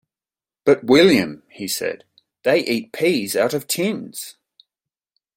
"But William," he said, "they eat peas out of tins!